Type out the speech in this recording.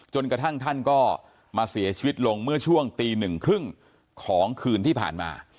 จนกระทั่งท่านก็มาเสียชีวิตลงเมื่อช่วงตีหนึ่งครึ่งของคืนที่ผ่านมา